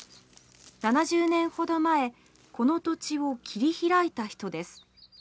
７０年ほど前この土地を切り開いた人です。